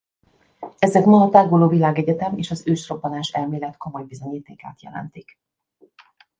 Ezek ma a táguló világegyetem és az Ősrobbanás-elmélet komoly bizonyítékát jelentik.